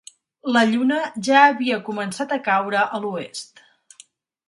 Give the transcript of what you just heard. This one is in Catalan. La lluna ja havia començat a caure a l'oest.